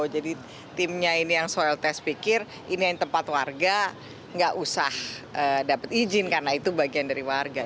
jadi timnya ini yang soil test pikir ini yang tempat warga gak usah dapet izin karena itu bagian dari warga